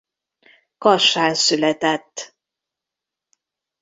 Kassán született.